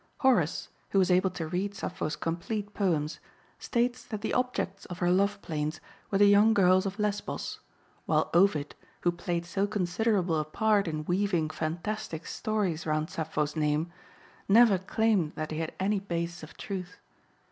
Horace, who was able to read Sappho's complete poems, states that the objects of her love plaints were the young girls of Lesbos, while Ovid, who played so considerable a part in weaving fantastic stories round Sappho's name, never claimed that they had any basis of truth.